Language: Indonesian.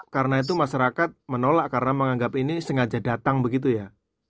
karena itu masyarakat menolak karena menganggap ini sengaja datang begitu ya